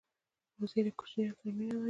وزې له کوچنیانو سره مینه لري